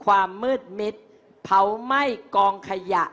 ความมืดมิดเผาไหม้กองขยะ